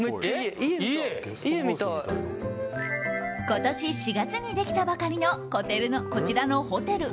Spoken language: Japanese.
今年４月にできたばかりのこちらのホテル。